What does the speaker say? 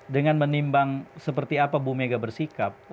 dengan menimbang seperti apa bumika bersikap